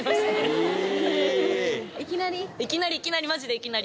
いきなり？